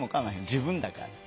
自分だから。